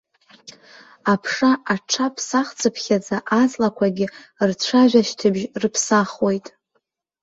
Аԥша аҽаԥсахцыԥхьаӡа аҵлақәагьы рцәажәашьҭыбжь рыԥсахуеит.